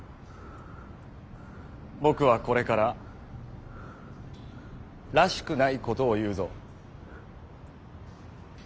僕はこれかららしくないことを言うぞ。